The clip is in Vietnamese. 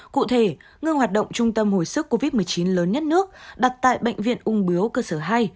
cụ thể ngưng hoạt động trung tâm hồi sức covid một mươi chín lớn nhất nước đặt tại bệnh viện ung biếu cơ sở hai